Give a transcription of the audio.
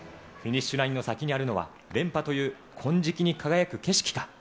フィニッシュラインの先にあるのは、連覇という金色に輝く景色か。